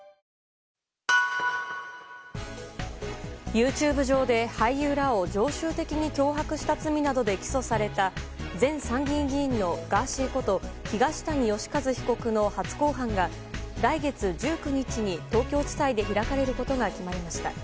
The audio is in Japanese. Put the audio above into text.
ＹｏｕＴｕｂｅ上で俳優らを常習的に脅迫した罪などで起訴された前参議院議員のガーシーこと東谷義和被告の初公判が来月１９日に、東京地裁で開かれることが決まりました。